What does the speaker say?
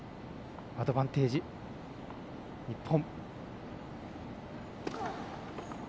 アドバンテージ、日本。